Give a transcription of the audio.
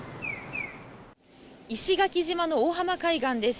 石垣島の大浜海岸です。